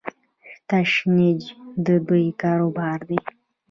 تشنج د دوی کاروبار دی.